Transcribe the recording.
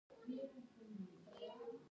د دې څپلۍ تلی ډېر پوست دی